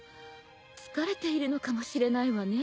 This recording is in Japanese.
疲れているのかもしれないわね。